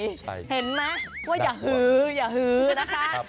เห็นไหมว่าอย่าฮืออย่าฮือนะคะ